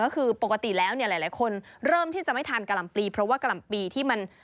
ก็คือปกติแล้วเนี่ยหลายคนเริ่มที่จะไม่ทานกะห่ำปลีเพราะว่ากะหล่ำปีที่มัน